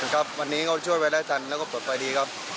ครับวันนี้เขาช่วยไว้ได้ทันแล้วก็ปลอดภัยดีครับ